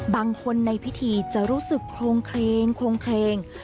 บางคนในพิธีจะรู้สึกโครงเคลงโครงเคลง